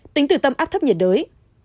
tính từ tâm áp thấp nhiệt đới